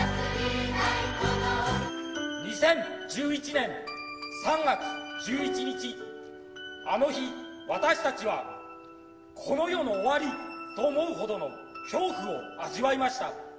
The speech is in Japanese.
２０１１年３月１１日、あの日、私たちはこの世の終わりと思うほどの恐怖を味わいました。